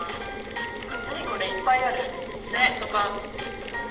何これいっぱいある。ね！